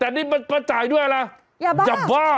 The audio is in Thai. แต่นี่มันก็จ่ายด้วยอะไรยาบ้าอย่าบ้า